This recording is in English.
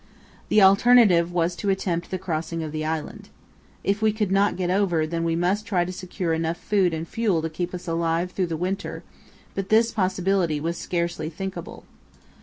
The alternative was to attempt the crossing of the island. If we could not get over, then we must try to secure enough food and fuel to keep us alive through the winter, but this possibility was scarcely thinkable.